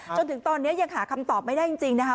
จนถึงตอนนี้ยังหาคำตอบไม่ได้จริงนะคะ